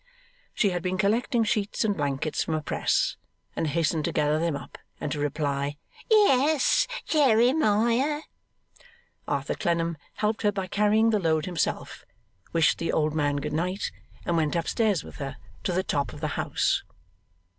She had been collecting sheets and blankets from a press, and hastened to gather them up, and to reply, 'Yes, Jeremiah.' Arthur Clennam helped her by carrying the load himself, wished the old man good night, and went up stairs with her to the top of the house.